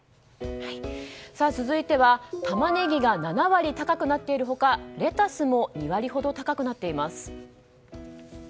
続いては、タマネギが７割高くなっている他レタスも２割ほど高くなっています。